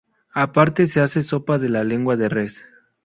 Aparte se hace sopa de la lengua de res.